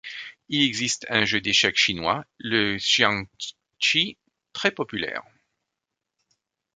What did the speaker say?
Il existe un jeu d'échecs chinois, le xiangqi, très populaire.